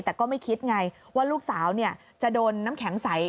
แต่ก็ไม่คิดไงว่าลูกสาวจะโดนน้ำแข็งใส